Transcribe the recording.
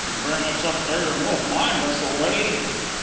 "Bring us up there and we'll find us a way!"